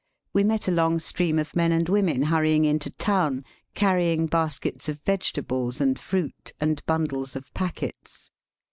We met a long stream of men and women hurrying into town carrying baskets of vegetables and fruit and bundles of packets.